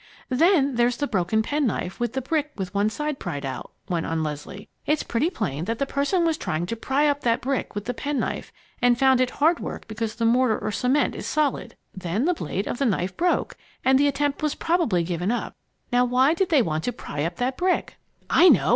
"Then there's the broken penknife and the brick with one side pried out," went on Leslie. "It's pretty plain that the person was trying to pry up that brick with the penknife and found it hard work because the mortar or cement is solid. Then the blade of the knife broke and the attempt was probably given up. Now why did they want to pry up that brick?" "I know!